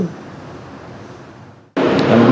lâm bị người ta hành